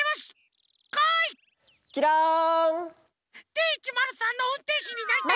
Ｄ１０３のうんてんしになりたい！